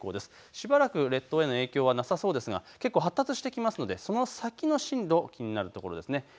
しばらく列島への影響はなさそうですが発達してきますのでその先の進路気になるところです。